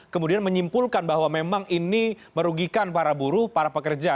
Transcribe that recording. kemudian menyimpulkan bahwa memang ini merugikan para buruh para pekerja